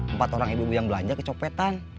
empat orang ibu ibu yang belanja kecopetan